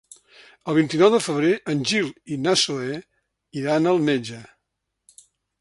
El vint-i-nou de febrer en Gil i na Zoè iran al metge.